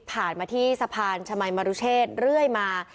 มาที่สะพานชมัยมรุเชษเรื่อยมา